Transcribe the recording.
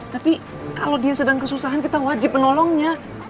tapi kalau dia sedang kesusahan kita wajib menolongnya